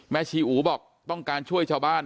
ชีอู๋บอกต้องการช่วยชาวบ้าน